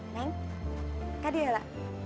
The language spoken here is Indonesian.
neng kak dela